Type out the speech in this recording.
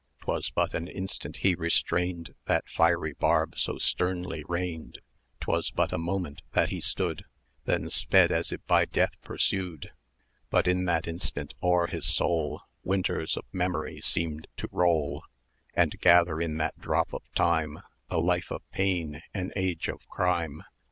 'Twas but an instant he restrained That fiery barb so sternly reined;[da] 'Twas but a moment that he stood, Then sped as if by Death pursued; 260 But in that instant o'er his soul Winters of Memory seemed to roll, And gather in that drop of time A life of pain, an age of crime.